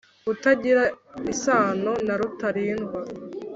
Utagira isano na Rutalindwa